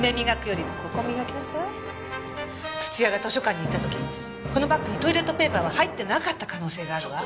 土屋が図書館に行った時このバッグにトイレットペーパーは入ってなかった可能性があるわ。